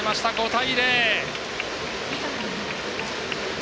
５対０。